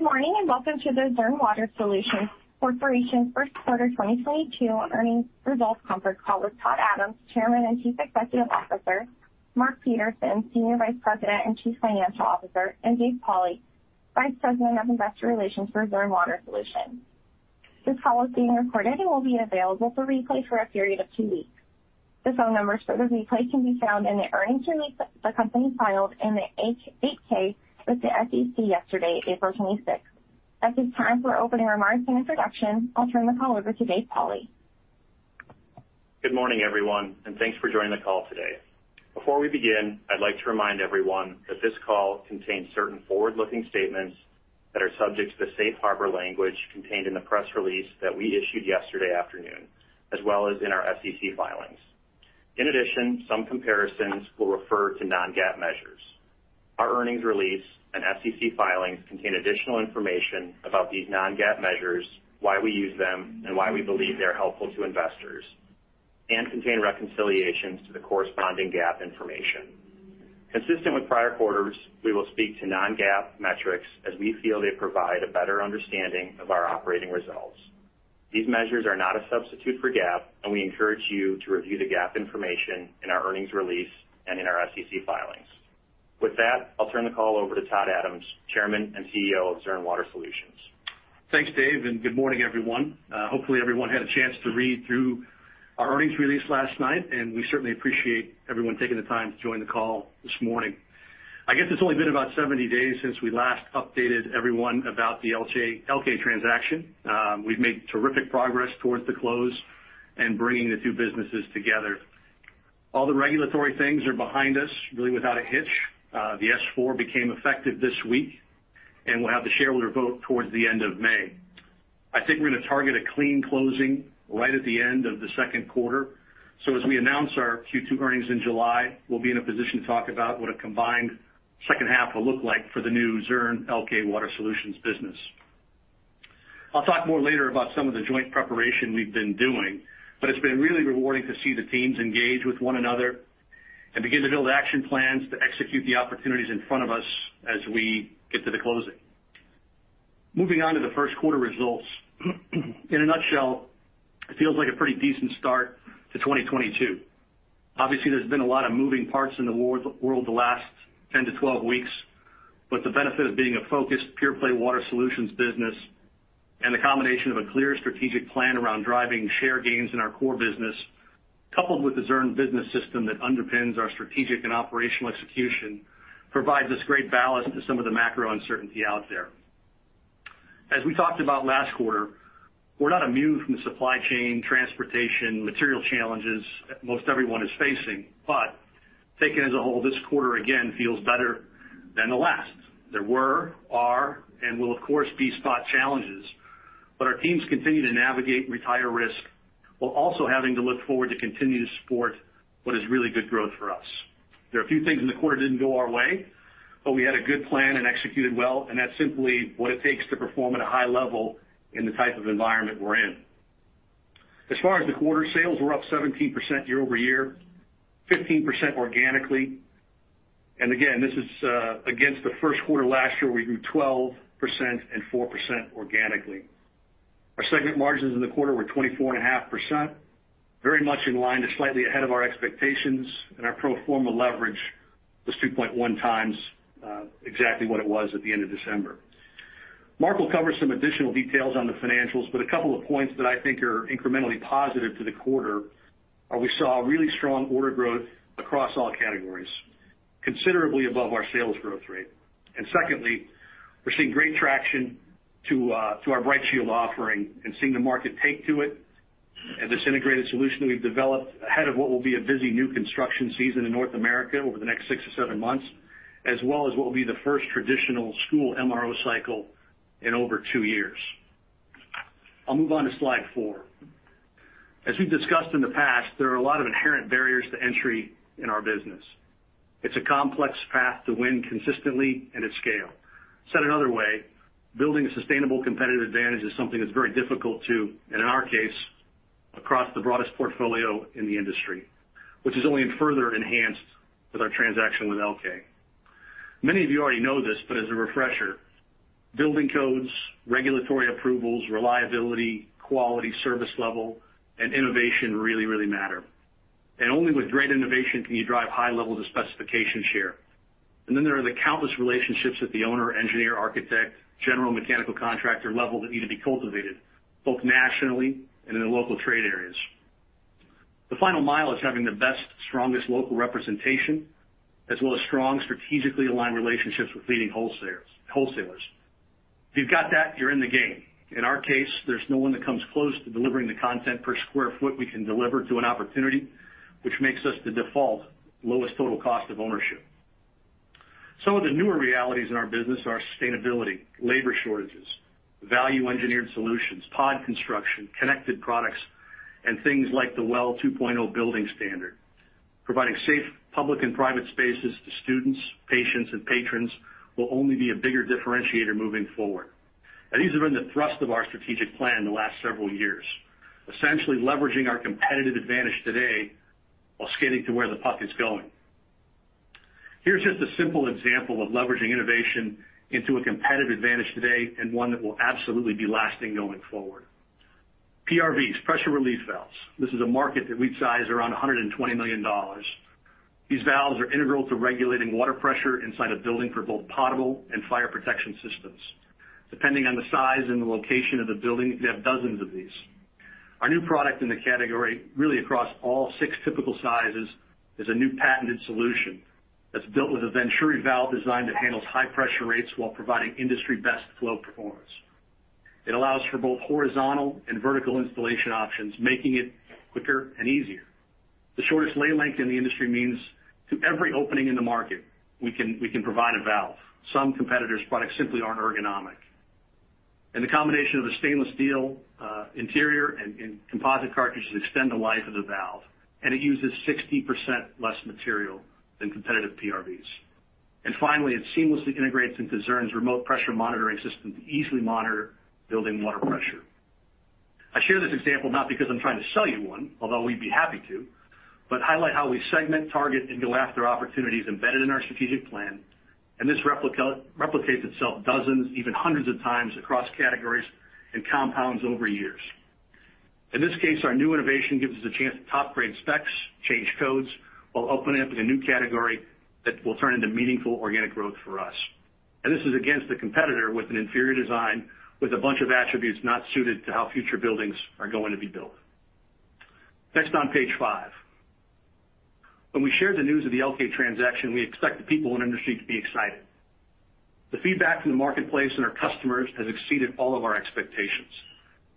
Good morning, and welcome to the Zurn Water Solutions Corporation first quarter 2022 earnings results conference call with Todd Adams, Chairman and Chief Executive Officer, Mark Peterson, Senior Vice President and Chief Financial Officer, and Dave Pauli, Vice President of Investor Relations for Zurn Water Solutions. This call is being recorded and will be available for replay for a period of two weeks. The phone numbers for the replay can be found in the earnings release the company filed in the 8-K with the SEC yesterday, April 26th. At this time, for opening remarks and introductions, I'll turn the call over to Dave Pauli. Good morning, everyone, and thanks for joining the call today. Before we begin, I'd like to remind everyone that this call contains certain forward-looking statements that are subject to the safe harbor language contained in the press release that we issued yesterday afternoon, as well as in our SEC filings. In addition, some comparisons will refer to non-GAAP measures. Our earnings release and SEC filings contain additional information about these non-GAAP measures, why we use them, and why we believe they are helpful to investors, and contain reconciliations to the corresponding GAAP information. Consistent with prior quarters, we will speak to non-GAAP metrics as we feel they provide a better understanding of our operating results. These measures are not a substitute for GAAP, and we encourage you to review the GAAP information in our earnings release and in our SEC filings. With that, I'll turn the call over to Todd Adams, Chairman and CEO of Zurn Water Solutions. Thanks, Dave, and good morning, everyone. Hopefully everyone had a chance to read through our earnings release last night, and we certainly appreciate everyone taking the time to join the call this morning. I guess it's only been about 70 days since we last updated everyone about the Elkay transaction. We've made terrific progress towards the close and bringing the two businesses together. All the regulatory things are behind us, really without a hitch. The S-4 became effective this week, and we'll have the shareholder vote towards the end of May. I think we're gonna target a clean closing right at the end of the second quarter. As we announce our Q2 earnings in July, we'll be in a position to talk about what a combined second half will look like for the new Zurn Elkay Water Solutions business. I'll talk more later about some of the joint preparation we've been doing, but it's been really rewarding to see the teams engage with one another and begin to build action plans to execute the opportunities in front of us as we get to the closing. Moving on to the first quarter results. In a nutshell, it feels like a pretty decent start to 2022. Obviously, there's been a lot of moving parts in the world the last 10 to 12 weeks, but the benefit of being a focused, pure-play water solutions business and the combination of a clear strategic plan around driving share gains in our core business, coupled with the Zurn Business System that underpins our strategic and operational execution, provides us great balance to some of the macro uncertainty out there. As we talked about last quarter, we're not immune from the supply chain, transportation, material challenges most everyone is facing. But taken as a whole, this quarter again feels better than the last. There were, are, and will, of course, be spot challenges, but our teams continue to navigate and retire risk while also having to look forward to continue to support what is really good growth for us. There are a few things in the quarter that didn't go our way, but we had a good plan and executed well, and that's simply what it takes to perform at a high level in the type of environment we're in. As far as the quarter, sales were up 17% year-over-year, 15% organically. Again, this is against the first quarter last year, we grew 12% and 4% organically. Our segment margins in the quarter were 24.5%, very much in line to slightly ahead of our expectations, and our pro forma leverage was 2.1x, exactly what it was at the end of December. Mark will cover some additional details on the financials, but a couple of points that I think are incrementally positive to the quarter are we saw really strong order growth across all categories, considerably above our sales growth rate. Secondly, we're seeing great traction to our BrightShield offering and seeing the market take to it and this integrated solution we've developed ahead of what will be a busy new construction season in North America over the next six to seven months, as well as what will be the first traditional school MRO cycle in over two years. I'll move on to slide four. As we've discussed in the past, there are a lot of inherent barriers to entry in our business. It's a complex path to win consistently and at scale. Said another way, building a sustainable competitive advantage is something that's very difficult to, and in our case, across the broadest portfolio in the industry, which is only further enhanced with our transaction with Elkay. Many of you already know this, but as a refresher, building codes, regulatory approvals, reliability, quality, service level, and innovation really, really matter. Only with great innovation can you drive high levels of specification share. Then there are the countless relationships with the owner, engineer, architect, general mechanical contractor level that need to be cultivated, both nationally and in the local trade areas. The final mile is having the best, strongest local representation, as well as strong, strategically aligned relationships with leading wholesalers. If you've got that, you're in the game. In our case, there's no one that comes close to delivering the content per square foot we can deliver to an opportunity, which makes us the default lowest total cost of ownership. Some of the newer realities in our business are sustainability, labor shortages, value-engineered solutions, POD construction, connected products, and things like the WELL v2 Building Standard. Providing safe public and private spaces to students, patients, and patrons will only be a bigger differentiator moving forward. These have been the thrust of our strategic plan the last several years, essentially leveraging our competitive advantage today while skating to where the puck is going. Here's just a simple example of leveraging innovation into a competitive advantage today and one that will absolutely be lasting going forward. PRVs, Pressure Reducing Valves. This is a market that we'd size around $120 million. These valves are integral to regulating water pressure inside a building for both potable and fire protection systems. Depending on the size and the location of the building, you have dozens of these. Our new product in the category, really across all six typical sizes, is a new patented solution that's built with a venturi valve design that handles high pressure rates while providing industry-best flow performance. It allows for both horizontal and vertical installation options, making it quicker and easier. The shortest lay length in the industry means, to every opening in the market, we can provide a valve. Some competitors' products simply aren't ergonomic. The combination of the stainless steel, interior and composite cartridges extend the life of the valve, and it uses 60% less material than competitive PRVs. Finally, it seamlessly integrates into Zurn's remote pressure monitoring system to easily monitor building water pressure. I share this example not because I'm trying to sell you one, although we'd be happy to, but highlight how we segment, target, and go after opportunities embedded in our strategic plan, and this replicates itself dozens, even hundreds of times across categories and compounds over years. In this case, our new innovation gives us a chance to top grade specs, change codes while opening up a new category that will turn into meaningful organic growth for us. This is against a competitor with an inferior design, with a bunch of attributes not suited to how future buildings are going to be built. Next on page five. When we shared the news of the Elkay transaction, we expect the people in industry to be excited. The feedback from the marketplace and our customers has exceeded all of our expectations,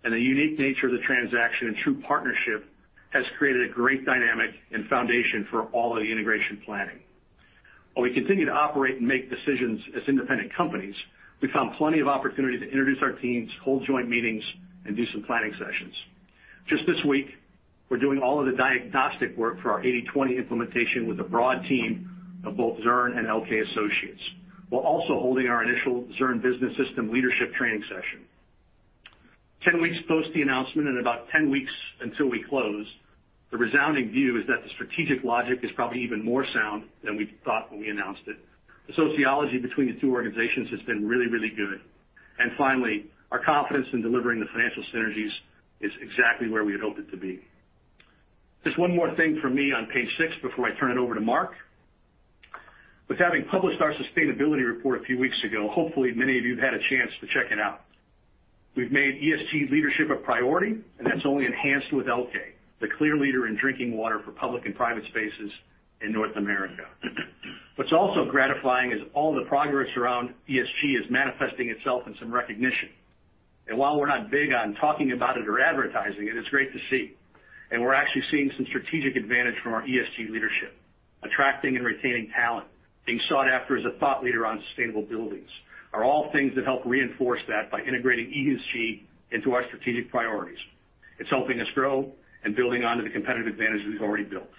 and the unique nature of the transaction and true partnership has created a great dynamic and foundation for all of the integration planning. While we continue to operate and make decisions as independent companies, we found plenty of opportunity to introduce our teams, hold joint meetings, and do some planning sessions. Just this week, we're doing all of the diagnostic work for our 80/20 implementation with a broad team of both Zurn and Elkay associates, while also holding our initial Zurn Business System leadership training session. 10 weeks post the announcement and about 10 weeks until we close, the resounding view is that the strategic logic is probably even more sound than we thought when we announced it. The sociology between the two organizations has been really, really good. Finally, our confidence in delivering the financial synergies is exactly where we had hoped it to be. Just one more thing for me on page six before I turn it over to Mark. With having published our sustainability report a few weeks ago, hopefully many of you have had a chance to check it out. We've made ESG leadership a priority, and that's only enhanced with Elkay, the clear leader in drinking water for public and private spaces in North America. What's also gratifying is all the progress around ESG is manifesting itself in some recognition. While we're not big on talking about it or advertising it's great to see. We're actually seeing some strategic advantage from our ESG leadership. Attracting and retaining talent, being sought after as a thought leader on sustainable buildings are all things that help reinforce that by integrating ESG into our strategic priorities. It's helping us grow and building onto the competitive advantage that we've already built.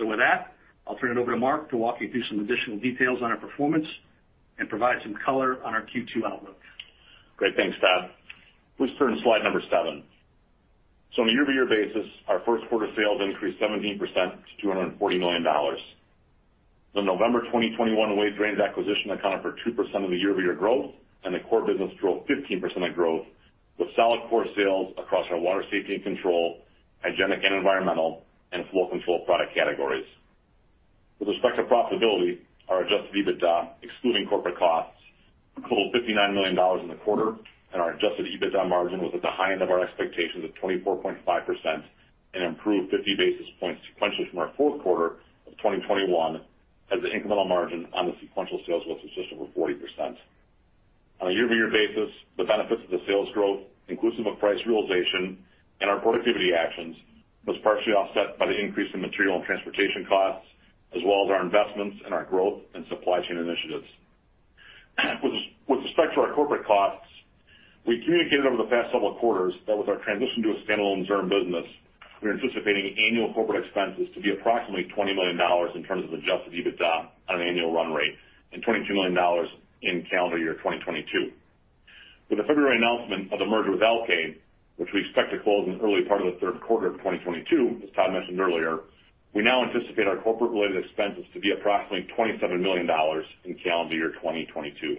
With that, I'll turn it over to Mark to walk you through some additional details on our performance and provide some color on our Q2 outlook. Great. Thanks, Todd. Please turn to slide number seven. On a year-over-year basis, our first quarter sales increased 17% to $240 million. The November 2021 Wade Drains acquisition accounted for 2% of the year-over-year growth, and the core business drove 15% of growth with solid core sales across our water safety and control, hygienic and environmental, and flow systems product categories. With respect to profitability, our Adjusted EBITDA, excluding corporate costs, totaled $59 million in the quarter, and our Adjusted EBITDA margin was at the high end of our expectations of 24.5% and improved 50 basis points sequentially from our fourth quarter of 2021 as the incremental margin on the sequential sales was just over 40%. On a year-over-year basis, the benefits of the sales growth, inclusive of price realization and our productivity actions, was partially offset by the increase in material and transportation costs, as well as our investments in our growth and supply chain initiatives. With respect to our corporate costs, we communicated over the past several quarters that with our transition to a standalone Zurn business, we're anticipating annual corporate expenses to be approximately $20 million in terms of Adjusted EBITDA on an annual run rate and $22 million in calendar year 2022. With the February announcement of the merger with Elkay, which we expect to close in the early part of the third quarter of 2022, as Todd mentioned earlier, we now anticipate our corporate-related expenses to be approximately $27 million in calendar year 2022.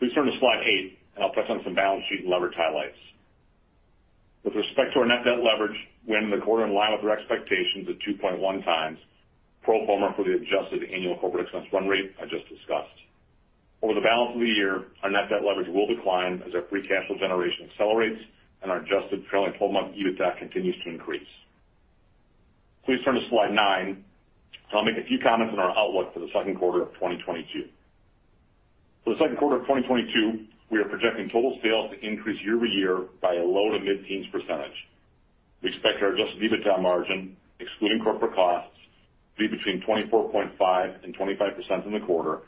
Please turn to slide eight, and I'll touch on some balance sheet and leverage highlights. With respect to our net debt leverage, we end the quarter in line with our expectations at 2.1x, pro forma for the adjusted annual corporate expense run rate I just discussed. Over the balance of the year, our net debt leverage will decline as our free cash flow generation accelerates and our adjusted trailing 12-month EBITDA continues to increase. Please turn to slide nine, and I'll make a few comments on our outlook for the second quarter of 2022. For the second quarter of 2022, we are projecting total sales to increase year-over-year by a low- to mid-teens percentage. We expect our Adjusted EBITDA margin, excluding corporate costs, to be between 24.5% and 25% in the quarter,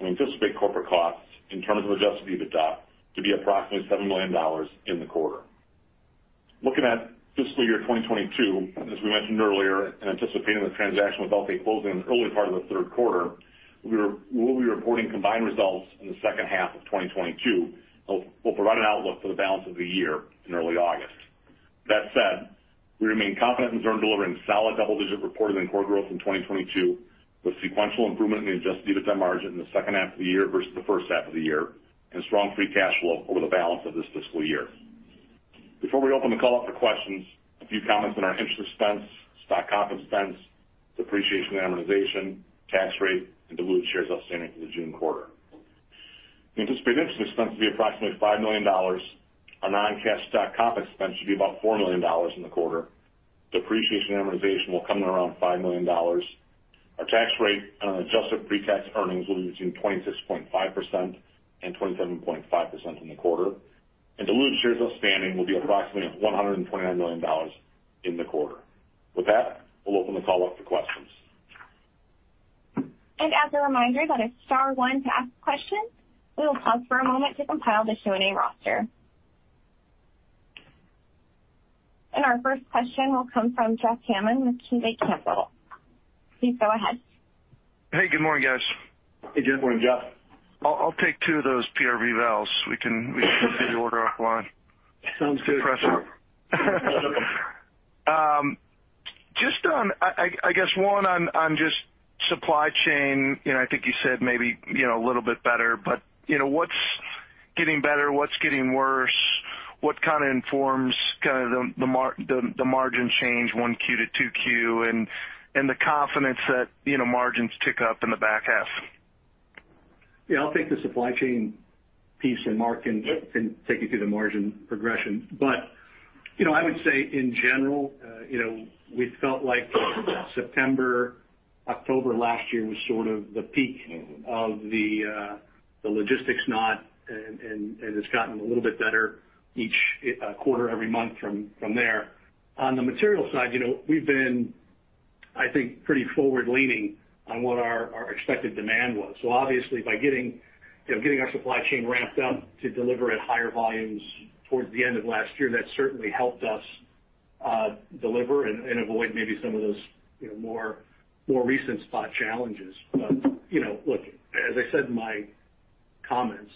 and we anticipate corporate costs in terms of Adjusted EBITDA to be approximately $7 million in the quarter. Looking at fiscal year 2022, as we mentioned earlier, and anticipating the transaction with Elkay closing in the early part of the third quarter, we will be reporting combined results in the second half of 2022. We'll provide an outlook for the balance of the year in early August. That said, we remain confident in Zurn delivering solid double-digit reported and core growth in 2022, with sequential improvement in Adjusted EBITDA margin in the second half of the year versus the first half of the year, and strong free cash flow over the balance of this fiscal year. Before we open the call up for questions, a few comments on our interest expense, stock comp expense, depreciation and amortization, tax rate, and diluted shares outstanding for the June quarter. We anticipate interest expense to be approximately $5 million. Our non-cash stock comp expense should be about $4 million in the quarter. Depreciation and amortization will come in around $5 million. Our tax rate on adjusted pre-tax earnings will be between 26.5% and 27.5% in the quarter. Diluted shares outstanding will be approximately 129 million shares in the quarter. With that, we'll open the call up to questions. As a reminder, that is star one to ask questions. We will pause for a moment to compile the Q&A roster. Our first question will come from Jeff Hammond with KeyBanc Capital Markets. Please go ahead. Hey, good morning, guys. Hey, good morning, Jeff. I'll take two of those PRV valves. We can get the order offline. Sounds good. Impressive. I guess one on just supply chain. You know, I think you said maybe, you know, a little bit better, but, you know, what's getting better? What's getting worse? What kind of informs kind of the margin change one Q to two Q and the confidence that, you know, margins tick up in the back half? Yeah. I'll take the supply chain piece, and Mark can take you through the margin progression. You know, I would say in general, you know, we felt like September, October last year was sort of the peak of the logistics knot, and it's gotten a little bit better each quarter every month from there. On the material side, you know, we've been, I think, pretty forward-leaning on what our expected demand was. So obviously by getting, you know, getting our supply chain ramped up to deliver at higher volumes towards the end of last year, that certainly helped us deliver and avoid maybe some of those, you know, more recent spot challenges. You know, look, as I said in my comments,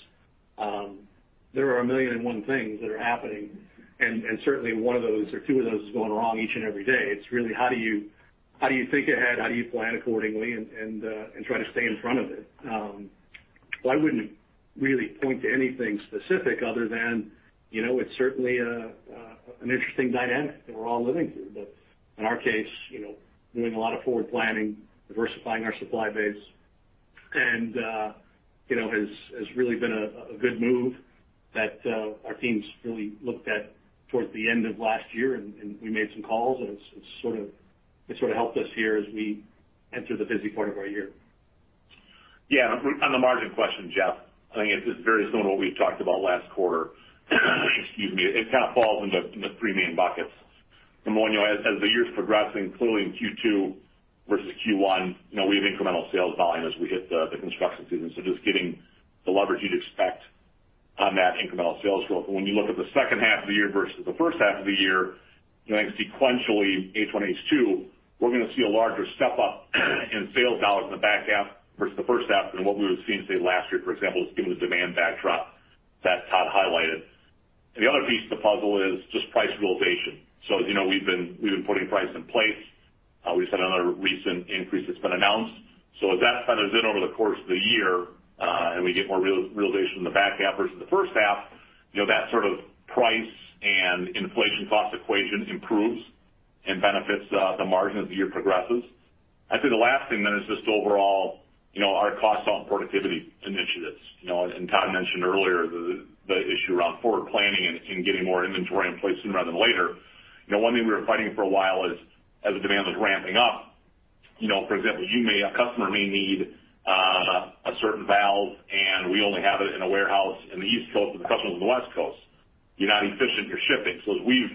there are a million and one things that are happening, and certainly one of those or two of those is going wrong each and every day. It's really how do you think ahead? How do you plan accordingly and try to stay in front of it? I wouldn't really point to anything specific other than, you know, it's certainly an interesting dynamic that we're all living through. In our case, you know, doing a lot of forward planning, diversifying our supply base, and you know has really been a good move that our teams really looked at towards the end of last year and we made some calls, and it's sort of helped us here as we enter the busy part of our year. Yeah. On the margin question, Jeff, I think it's very similar to what we talked about last quarter. Excuse me. It kind of falls into three main buckets. Number one, you know, as the year's progressing, clearly in Q2 versus Q1, you know, we have incremental sales volume as we hit the construction season, so just getting the leverage you'd expect on that incremental sales growth. When you look at the second half of the year versus the first half of the year, you know, I think sequentially, H1, H2, we're gonna see a larger step-up in sales dollars in the back half versus the first half than what we would've seen, say, last year, for example, given the demand backdrop that Todd highlighted. The other piece of the puzzle is just price realization. As you know, we've been putting price in place. We just had another recent increase that's been announced. As that kind of is in over the course of the year, and we get more realization in the back half versus the first half, you know, that sort of price and inflation cost equation improves and benefits the margin as the year progresses. I'd say the last thing then is just overall, you know, our costs on productivity initiatives. You know, as Todd mentioned earlier, the issue around forward planning and getting more inventory in place sooner rather than later. You know, one thing we were fighting for a while is as the demand was ramping up, you know, for example, a customer may need a certain valve, and we only have it in a warehouse in the East Coast, but the customer's on the West Coast. You're not efficient in your shipping. As we've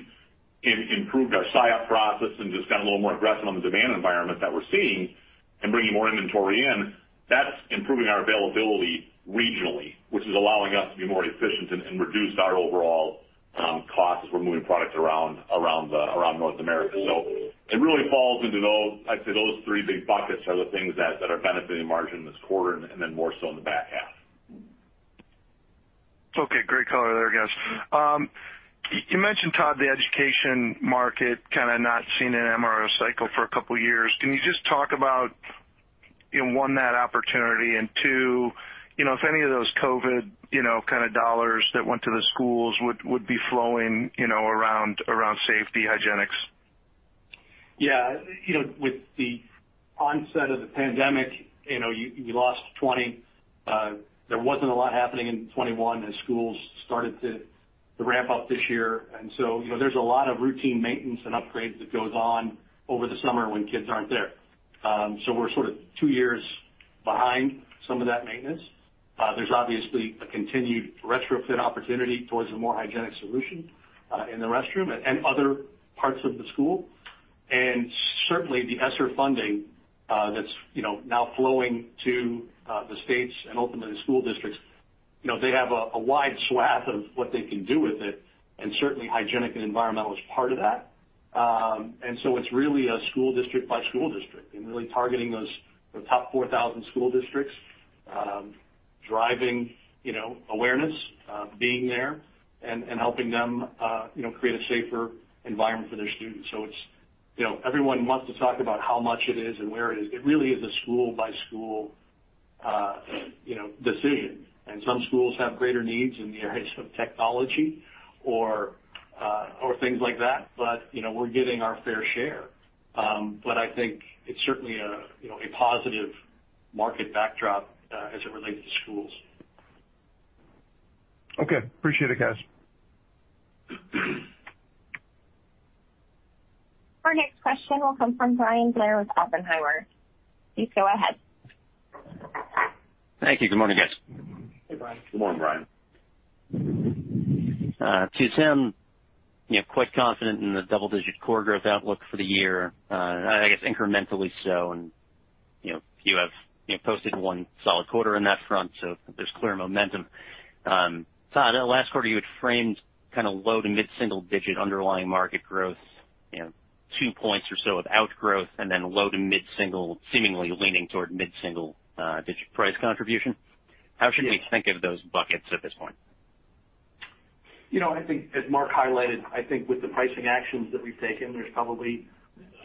improved our SIOP process and just got a little more aggressive on the demand environment that we're seeing and bringing more inventory in, that's improving our availability regionally, which is allowing us to be more efficient and reduce our overall costs as we're moving product around North America. It really falls into those. I'd say those three big buckets are the things that are benefiting margin this quarter and then more so in the back half. Okay, great color there, guys. You mentioned, Todd, the education market kinda not seeing an MRO cycle for a couple years. Can you just talk about, you know, one, that opportunity, and two, you know, if any of those COVID, you know, kinda dollars that went to the schools would be flowing, you know, around safety hygienics? Yeah. You know, with the onset of the pandemic, you know, you lost 2020. There wasn't a lot happening in 2021 as schools started to ramp up this year. You know, there's a lot of routine maintenance and upgrades that goes on over the summer when kids aren't there. We're sort of two years behind some of that maintenance. There's obviously a continued retrofit opportunity towards a more hygienic solution in the restroom and other parts of the school. Certainly the ESSER funding that's now flowing to the states and ultimately the school districts, you know, they have a wide swath of what they can do with it, and certainly hygienic and environmental is part of that. It's really a school district by school district and really targeting those, the top 4,000 school districts, driving, you know, awareness, being there and helping them, you know, create a safer environment for their students. It's, you know, everyone wants to talk about how much it is and where it is. It really is a school by school, you know, decision. Some schools have greater needs in the areas of technology or things like that, but, you know, we're getting our fair share. I think it's certainly a, you know, a positive market backdrop as it relates to schools. Okay. Appreciate it, guys. Our next question will come from Bryan Blair with Oppenheimer. Please go ahead. Thank you. Good morning, guys. Hey, Bryan. Good morning, Bryan. To some, you know, quite confident in the double-digit core growth outlook for the year, I guess incrementally so. You know, you have, you know, posted one solid quarter in that front, so there's clear momentum. Todd, that last quarter, you had framed kinda low to mid-single digit underlying market growth, you know, two points or so of outgrowth and then low to mid-single, seemingly leaning toward mid-single, digit price contribution. How should we think of those buckets at this point? You know, I think as Mark highlighted, I think with the pricing actions that we've taken, there's probably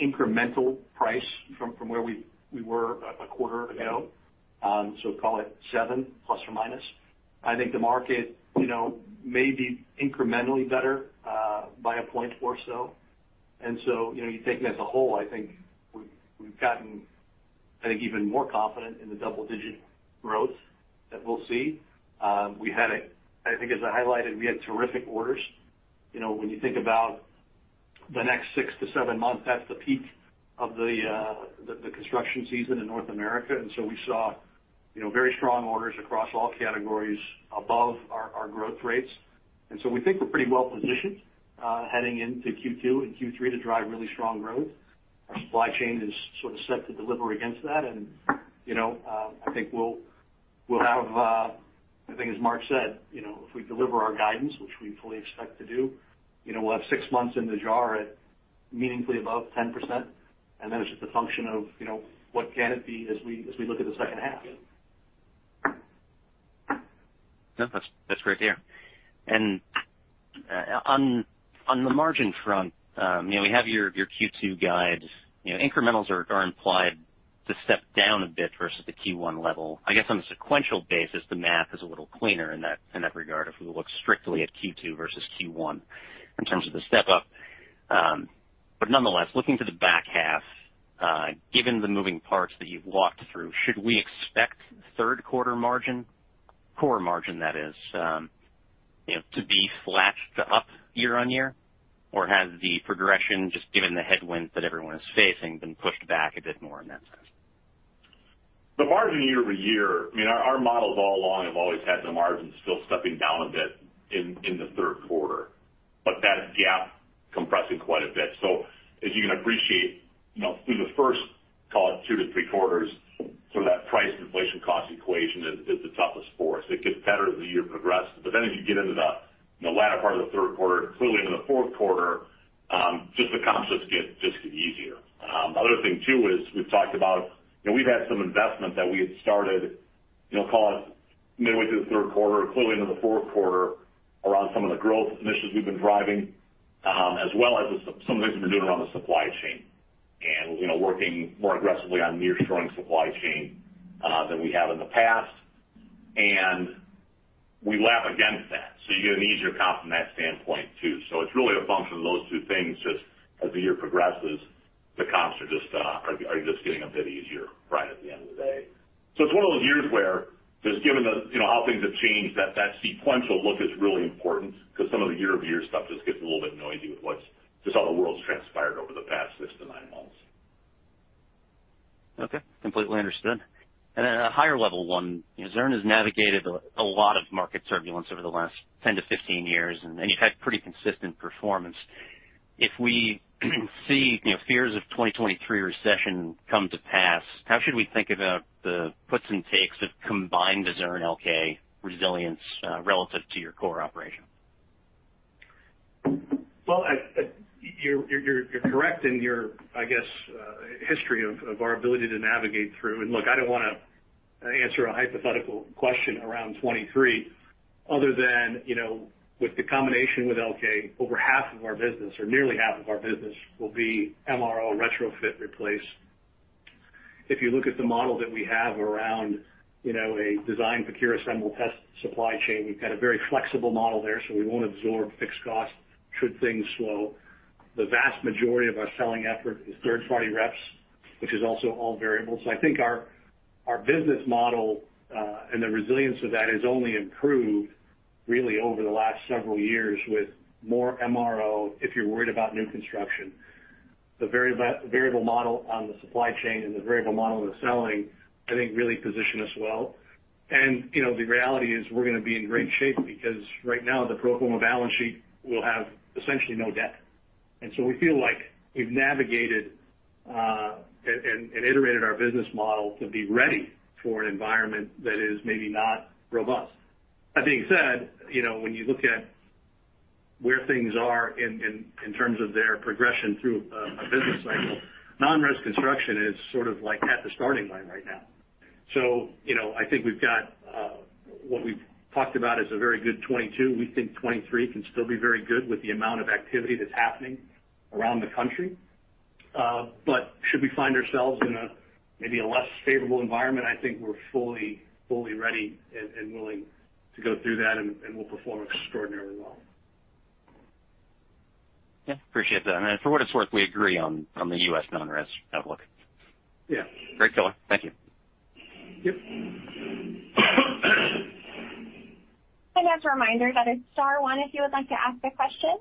incremental price from where we were a quarter ago, so call it 7±. I think the market, you know, may be incrementally better by a point or so. You know, you take it as a whole, I think we've gotten, I think, even more confident in the double-digit growth that we'll see. I think as I highlighted, we had terrific orders. You know, when you think about the next six to seven months, that's the peak of the construction season in North America. We saw, you know, very strong orders across all categories above our growth rates. We think we're pretty well positioned, heading into Q2 and Q3 to drive really strong growth. Our supply chain is sort of set to deliver against that. You know, I think we'll have, I think as Mark said, you know, if we deliver our guidance, which we fully expect to do, you know, we'll have six months in the [year at] meaningfully above 10%. Then it's just a function of, you know, what can it be as we look at the second half. Yeah, that's great to hear. On the margin front, you know, we have your Q2 guide. You know, incrementals are implied to step down a bit versus the Q1 level. I guess on a sequential basis, the math is a little cleaner in that regard, if we look strictly at Q2 versus Q1 in terms of the step-up. Nonetheless, looking to the back half, given the moving parts that you've walked through, should we expect third quarter margin, core margin that is, you know, to be flat to up year-on-year? Has the progression, just given the headwinds that everyone is facing, been pushed back a bit more in that sense? The margin year-over-year, I mean, our models all along have always had the margins still stepping down a bit in the third quarter, but that gap compressing quite a bit. As you can appreciate, you know, through the first, call it two to three quarters, sort of that price inflation cost equation is the toughest for us. It gets better as the year progresses. Then as you get into the latter part of the third quarter and clearly into the fourth quarter, just the comps get easier. Other thing too is we've talked about, you know, we've had some investment that we had started, you know, call it midway through the third quarter, clearly into the fourth quarter around some of the growth initiatives we've been driving, as well as some of the things we've been doing around the supply chain. You know, working more aggressively on nearshoring supply chain, than we have in the past. We lap against that, so you get an easier comp from that standpoint too. It's really a function of those two things. Just as the year progresses, the comps are just getting a bit easier right at the end of the day. It's one of those years where just given the, you know, how things have changed, that sequential look is really important because some of the year-over-year stuff just gets a little bit noisy with what's, just how the world's transpired over the past six to nine months. Okay, completely understood. At a higher level one, you know, Zurn has navigated a lot of market turbulence over the last 10 to 15 years, and you've had pretty consistent performance. If the fears of 2023 recession come to pass, how should we think about the puts and takes of combined Zurn Elkay resilience relative to your core operation? You're correct in your, I guess, history of our ability to navigate through. Look, I don't wanna answer a hypothetical question around 2023 other than, you know, with the combination with Elkay, over half of our business or nearly half of our business will be MRO retrofit replace. If you look at the model that we have around, you know, a design, procure, assemble, test, supply chain, we've got a very flexible model there, so we won't absorb fixed costs should things slow. The vast majority of our selling effort is third-party reps, which is also all variable. I think our business model and the resilience of that has only improved really over the last several years with more MRO if you're worried about new construction. The variable model on the supply chain and the variable model of the selling, I think, really position us well. You know, the reality is we're gonna be in great shape because right now the pro forma balance sheet will have essentially no debt. We feel like we've navigated and iterated our business model to be ready for an environment that is maybe not robust. That being said, you know, when you look at where things are in terms of their progression through a business cycle, non-res construction is sort of like at the starting line right now. You know, I think we've got what we've talked about is a very good 2022. We think 2023 can still be very good with the amount of activity that's happening around the country. Should we find ourselves in maybe a less favorable environment, I think we're fully ready and willing to go through that, and we'll perform extraordinarily well. Yeah, appreciate that. For what it's worth, we agree on the U.S. non-res outlook. Yeah. Great color. Thank you. Yep. As a reminder that it's star one if you would like to ask a question.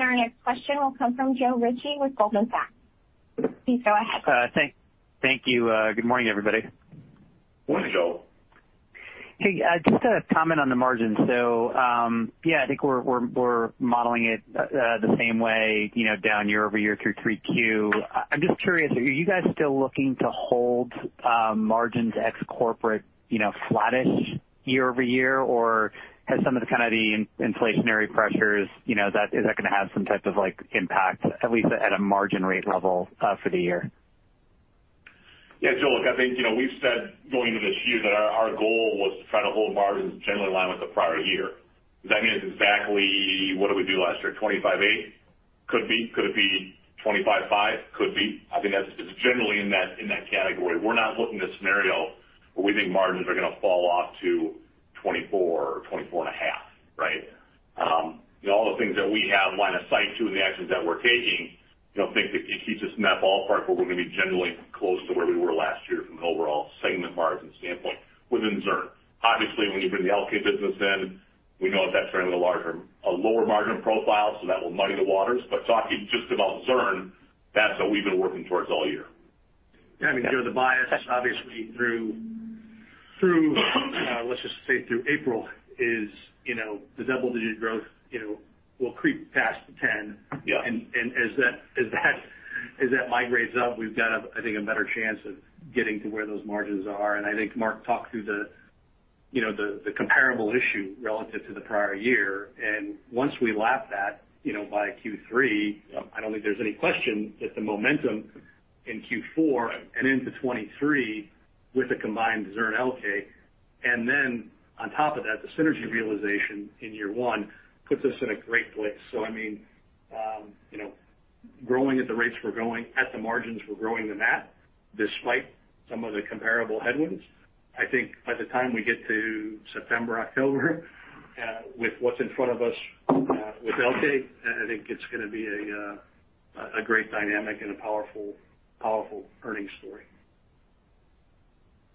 Our next question will come from Joe Ritchie with Goldman Sachs. Please go ahead. Thank you. Good morning, everybody. Morning, Joe. Hey, just a comment on the margins. Yeah, I think we're modeling it the same way, you know, down year-over-year through 3Q. I'm just curious, are you guys still looking to hold margins ex-corporate, you know, flattish year-over-year? Or has some of the kind of inflationary pressures, you know, is that gonna have some type of, like, impact, at least at a margin rate level, for the year? Yeah, Joe, look, I think, you know, we've said going into this year that our goal was to try to hold margins generally in line with the prior year. Does that mean it's exactly what we did last year? 25.8%? Could be. Could it be 25.5%? Could be. I think that's, it's generally in that, in that category. We're not looking at a scenario where we think margins are gonna fall off to 24% or 24.5%, right? All the things that we have line of sight to and the actions that we're taking, you know, think it keeps us in that ballpark where we're gonna be generally close to where we were last year from an overall segment margin standpoint within Zurn. Obviously, when you bring the Elkay business in, we know that that's running a lower margin profile, so that will muddy the waters. Talking just about Zurn, that's what we've been working towards all year. Yeah. I mean, Joe, the bias obviously through, let's just say through April is, you know, the double-digit growth, you know, will creep past 10%. Yeah. As that migrates up, we've got a, I think, a better chance of getting to where those margins are. I think Mark talked through you know the comparable issue relative to the prior year. Once we lap that, you know, by Q3, I don't think there's any question that the momentum in Q4 and into 2023 with the combined Zurn Elkay, and then on top of that, the synergy realization in year one puts us in a great place. I mean, you know, growing at the rates we're growing, at the margins we're growing them at, despite some of the comparable headwinds, I think by the time we get to September, October, with what's in front of us, with Elkay, I think it's gonna be a great dynamic and a powerful earnings story.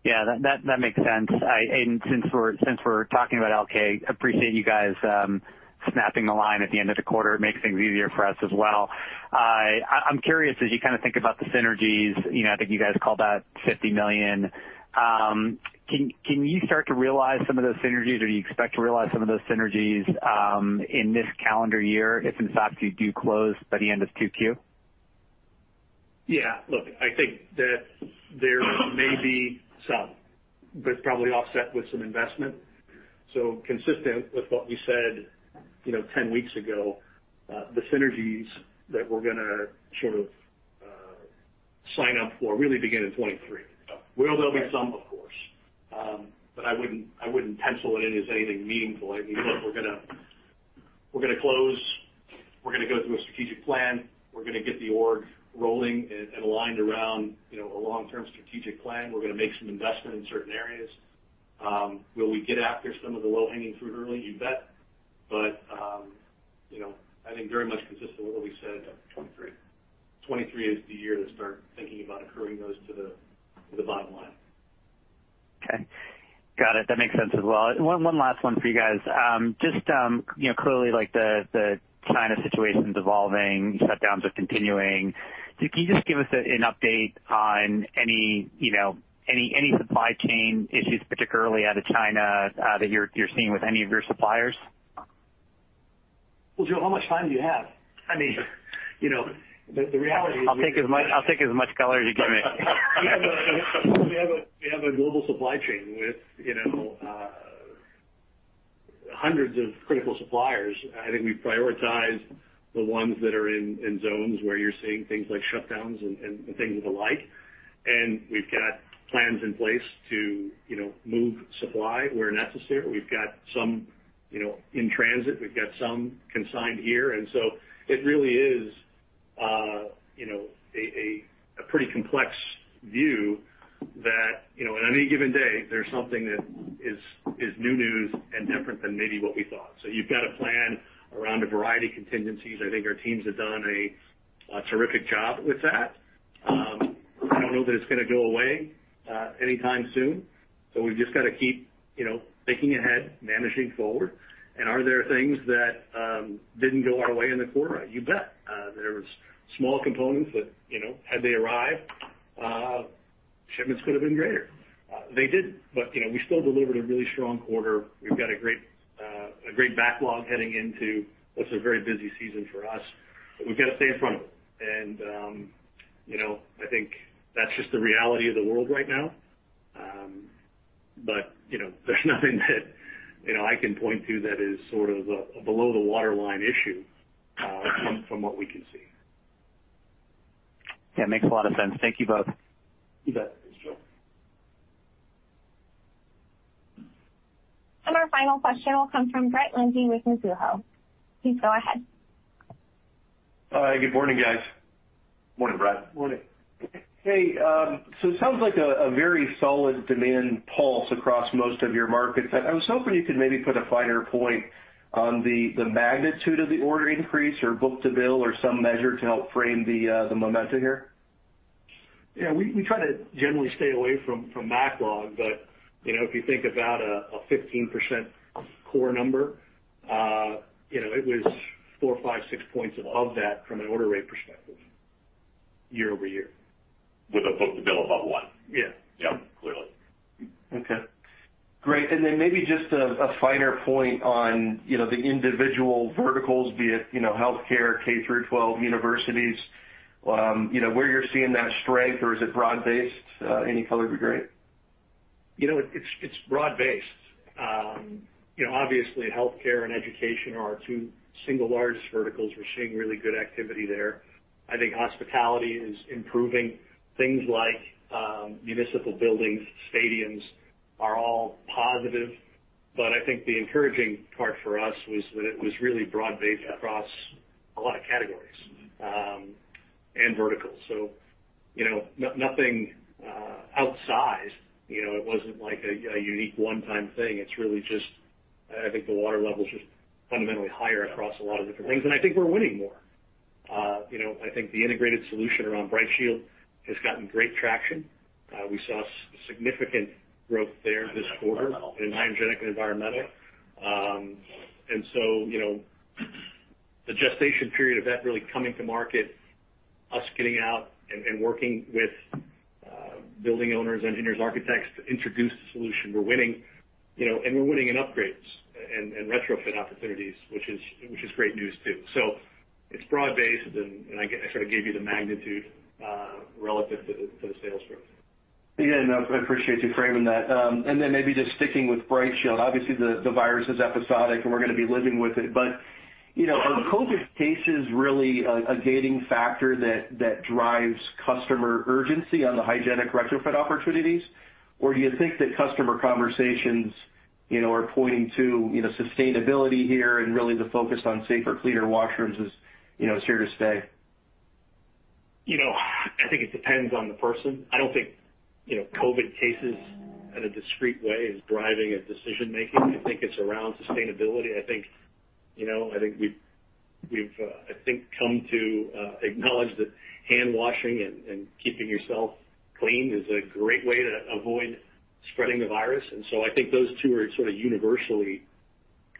Yeah. That makes sense. Since we're talking about Elkay, appreciate you guys snapping the line at the end of the quarter. It makes things easier for us as well. I'm curious, as you kinda think about the synergies, you know, I think you guys called out $50 million. Can you start to realize some of those synergies, or do you expect to realize some of those synergies in this calendar year if in fact you do close by the end of 2Q? Yeah. Look, I think that there may be some, but probably offset with some investment. Consistent with what we said, you know, 10 weeks ago, the synergies that we're gonna sort of sign up for really begin in 2023. Yeah. Will there be some? Of course. I wouldn't pencil it in as anything meaningful. I mean, look, we're gonna close, we're gonna go through a strategic plan, we're gonna get the org rolling and aligned around, you know, a long-term strategic plan. We're gonna make some investment in certain areas. Will we get after some of the low-hanging fruit early? You bet. You know, I think very much consistent with what we said, 2023. 2023 is the year to start thinking about accruing those to the bottom line. Okay. Got it. That makes sense as well. One last one for you guys. Just, you know, clearly like the China situation's evolving, shutdowns are continuing. Can you just give us an update on any, you know, any supply chain issues, particularly out of China, that you're seeing with any of your suppliers? Well, Joe, how much time do you have? I mean, you know, the reality is. I'll take as much color as you give me. We have a global supply chain with, you know, hundreds of critical suppliers. I think we prioritize the ones that are in zones where you're seeing things like shutdowns and things of the like. We've got plans in place to, you know, move supply where necessary. We've got some, you know, in transit. We've got some consigned here. It really is, you know, a pretty complex view that, you know, on any given day, there's something that is new news and different than maybe what we thought. You've got to plan around a variety of contingencies. I think our teams have done a terrific job with that. I don't know that it's gonna go away anytime soon, so we've just got to keep, you know, thinking ahead, managing forward. Are there things that didn't go our way in the quarter? You bet. There was small components that, you know, had they arrived, shipments could have been greater. They didn't, but, you know, we still delivered a really strong quarter. We've got a great backlog heading into what's a very busy season for us. We've got to stay in front of it. You know, I think that's just the reality of the world right now. But you know, there's nothing that, you know, I can point to that is sort of a below the waterline issue, from what we can see. Yeah, makes a lot of sense. Thank you both. You bet. Thanks, Joe. Our final question will come from Brett Linzey with Mizuho. Please go ahead. Hi, good morning, guys. Morning, Brett. Morning. Hey, it sounds like a very solid demand pulse across most of your markets. I was hoping you could maybe put a finer point on the magnitude of the order increase or book-to-bill or some measure to help frame the momentum here. Yeah, we try to generally stay away from backlog, but you know, if you think about a 15% core number, you know, it was 4, 5, 6 points above that from an order rate perspective year-over-year. With a book-to-bill above 1x. Yeah. Yeah, clearly. Okay, great. Maybe just a finer point on, you know, the individual verticals, be it, you know, healthcare, K to 12 universities, where you're seeing that strength or is it broad-based? Any color would be great. You know, it's broad-based. You know, obviously, healthcare and education are our two single largest verticals. We're seeing really good activity there. I think hospitality is improving. Things like, municipal buildings, stadiums are all positive. I think the encouraging part for us was that it was really broad-based across a lot of categories, and verticals. You know, nothing outsized. You know, it wasn't like a unique one-time thing. It's really just I think the water level's just fundamentally higher across a lot of different things. I think we're winning more. You know, I think the integrated solution around BrightShield has gotten great traction. We saw significant growth there this quarter in hygienic and [environmental]. You know, the gestation period of that really coming to market, us getting out and working with building owners, engineers, architects to introduce the solution, we're winning, you know. We're winning in upgrades and retrofit opportunities, which is great news, too. It's broad-based, and I sort of gave you the magnitude relative to the sales growth. Yeah, no, I appreciate you framing that. Maybe just sticking with BrightShield, obviously the virus is episodic, and we're gonna be living with it. You know, are COVID cases really a gating factor that drives customer urgency on the hygienic retrofit opportunities? Do you think that customer conversations, you know, are pointing to, you know, sustainability here and really the focus on safer, cleaner washrooms is, you know, is here to stay? You know, I think it depends on the person. I don't think, you know, COVID cases in a discrete way is driving a decision-making. I think it's around sustainability. I think, you know, I think we've I think come to acknowledge that hand washing and keeping yourself clean is a great way to avoid spreading the virus. So I think those two are sort of universally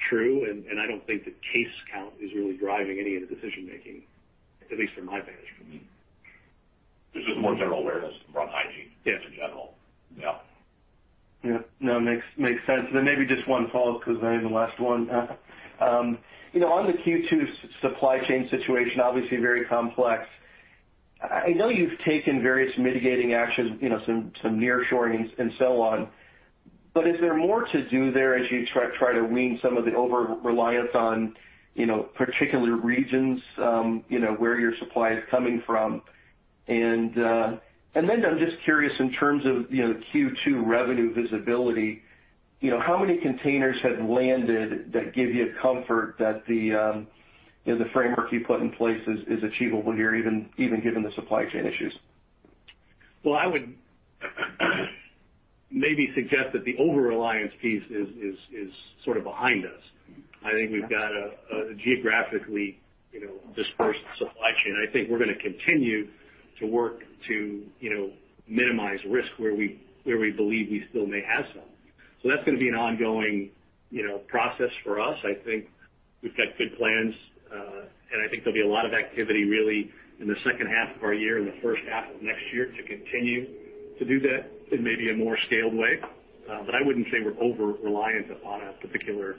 true, and I don't think the case count is really driving any of the decision-making, at least from my vantage point. There's just more general awareness around hygiene. Yeah. Just in general. Yeah. Yeah. No, makes sense. Maybe just one follow-up 'cause then the last one. You know, on the Q2 supply chain situation, obviously very complex. I know you've taken various mitigating actions, you know, some nearshoring and so on. But is there more to do there as you try to wean some of the overreliance on, you know, particular regions, you know, where your supply is coming from? And then I'm just curious in terms of, you know, Q2 revenue visibility, you know, how many containers have landed that give you comfort that the, you know, the framework you put in place is achievable here, even given the supply chain issues? Well, I would maybe suggest that the overreliance piece is sort of behind us. I think we've got a geographically, you know, dispersed supply chain. I think we're gonna continue to work to, you know, minimize risk where we believe we still may have some. That's gonna be an ongoing, you know, process for us. I think we've got good plans, and I think there'll be a lot of activity really in the second half of our year and the first half of next year to continue to do that in maybe a more scaled way. I wouldn't say we're overreliant upon a particular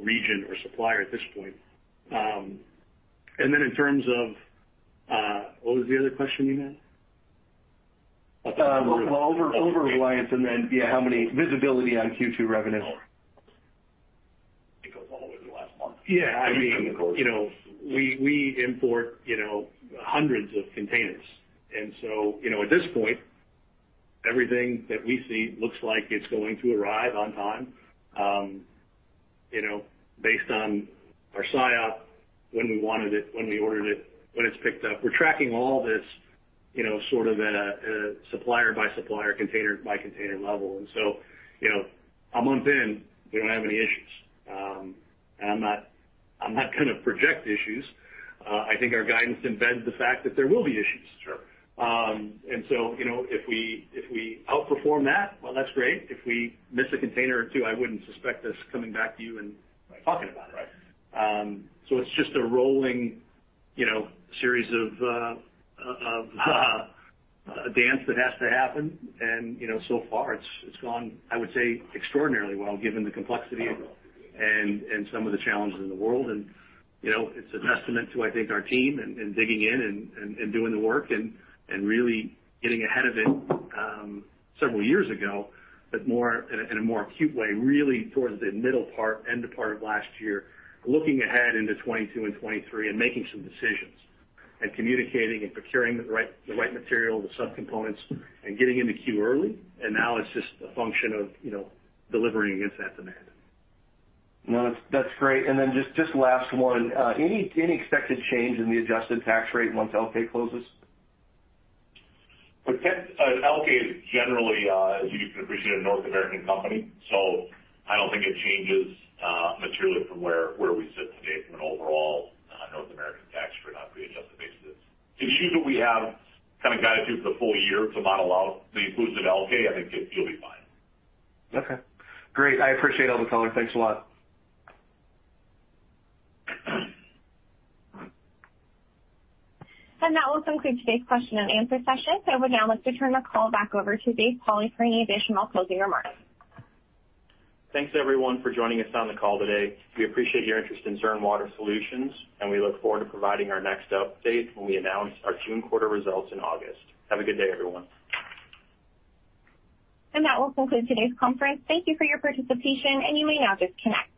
region or supplier at this point. Then in terms of, what was the other question you had? Well, over— Over— Overreliance and then, yeah, how much visibility on Q2 revenue. Yeah. I mean, you know, we import, you know, hundreds of containers. You know, at this point, everything that we see looks like it's going to arrive on time, you know, based on our SIOP, when we wanted it, when we ordered it, when it's picked up. We're tracking all this, you know, sort of at a supplier by supplier, container by container level. You know, a month in, we don't have any issues. I'm not gonna project issues. I think our guidance embeds the fact that there will be issues. Sure. You know, if we outperform that, well, that's great. If we miss a container or two, I wouldn't suspect us coming back to you and talking about it. It's just a rolling, you know, series of a dance that has to happen. You know, so far it's gone, I would say, extraordinarily well given the complexity and some of the challenges in the world. You know, it's a testament to, I think, our team and digging in and doing the work and really getting ahead of it several years ago, but more in a more acute way, really towards the middle part, end part of last year, looking ahead into 2022 and 2023 and making some decisions and communicating and procuring the right material, the subcomponents, and getting into queue early. Now it's just a function of, you know, delivering against that demand. No, that's great. Just last one. Any expected change in the adjusted tax rate once Elkay closes? Elkay is generally, as you can appreciate, a North American company, so I don't think it changes materially from where we sit today from an overall North American tax rate on pre-adjusted basis. The view that we have kinda guided through the full year to model out the inclusive Elkay, I think you'll be fine. Okay. Great. I appreciate all the color. Thanks a lot. That will conclude today's question and answer session. I would now like to turn the call back over to Dave Pauli for any additional closing remarks. Thanks, everyone, for joining us on the call today. We appreciate your interest in Zurn Water Solutions, and we look forward to providing our next update when we announce our June quarter results in August. Have a good day, everyone. That will conclude today's conference. Thank you for your participation, and you may now disconnect.